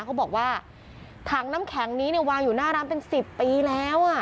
เขาบอกว่าถังน้ำแข็งนี้เนี่ยวางอยู่หน้าร้านเป็น๑๐ปีแล้วอ่ะ